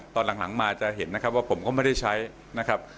ตอนหลังมาจะเห็นนะครับว่าผมก็ไม่ได้ใช้นะครับ